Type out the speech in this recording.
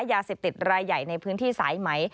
ยาเสพติดรายใหญ่ในพื้นที่สายไหม